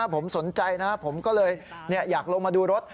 ผมสนใจนะผมก็เลยอยากลงมาดูรถ